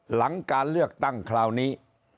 หลังการเลือกตั้งคราวนี้